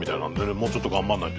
もうちょっと頑張らないと。